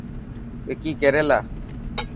وڪي ڪيريلا.